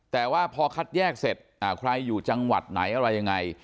แต่ว่าพอคัดแยกเสร็จใครอยู่จังหวัดไหนอะไรยังไง